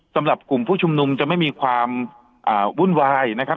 สำหรับกลุ่มผู้ชุมนุมจะไม่มีความวุ่นวายนะครับ